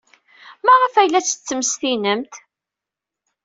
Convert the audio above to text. Maɣef ay la tt-tettmestinemt?